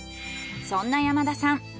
そんな山田さん